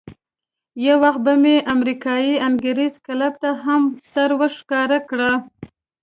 یو وخت به مې امریکایي انګرېز کلب ته هم سر ورښکاره کاوه.